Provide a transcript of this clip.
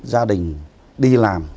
gia đình đi làm